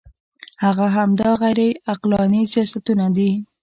هغه همدا غیر عقلاني سیاستونه دي.